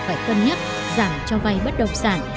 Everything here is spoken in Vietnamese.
phải cân nhắc giảm cho vay bất động sản